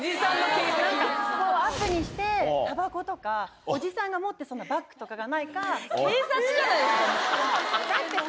アップにしてタバコとかおじさんが持ってそうなバッグとかがないか。